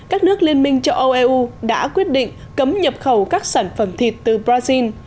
các nước liên minh châu âu eu đã quyết định cấm nhập khẩu các sản phẩm thịt từ brazil